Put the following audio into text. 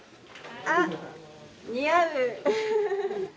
あっ似合う。